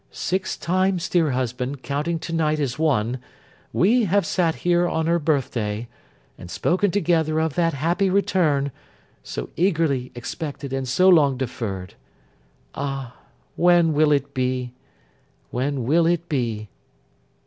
'Six times, dear husband, counting to night as one, we have sat here on her birth day, and spoken together of that happy return, so eagerly expected and so long deferred. Ah when will it be! When will it be!